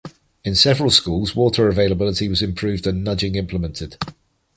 In several schools water availability was improved and nudging implemented.